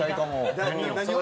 何を？